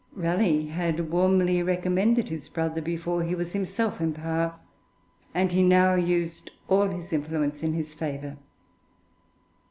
Raleigh had warmly recommended his brother before he was himself in power, and he now used all his influence in his favour.